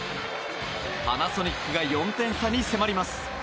パナソニックが４点差に迫ります。